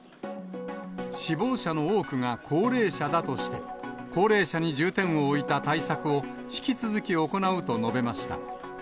死亡者の多くが高齢者だとして、高齢者に重点を置いた対策を引き続き行うと述べました。